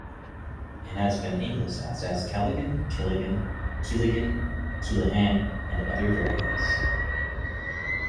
It has been anglicised as Callaghan, Kelaghan, Keelaghan, Kealahan and other variants.